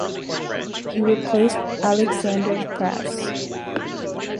He replaced Aleksander Prass.